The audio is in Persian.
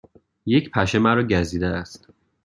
یک پشه مرا گزیده است.